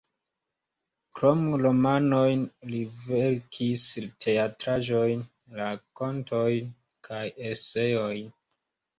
Krom romanojn li verkis teatraĵojn, rakontojn kaj eseojn.